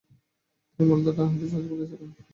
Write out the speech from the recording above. তিনি মূলতঃ ডানহাতি ফাস্ট-বোলার ছিলেন।